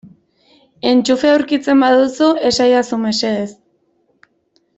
Entxufea aurkitzen baduzu esadazu mesedez.